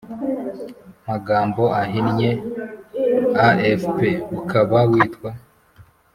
magambo ahinnye A F P ukaba witwa